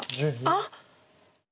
あっ！